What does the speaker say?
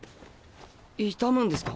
痛むんですか？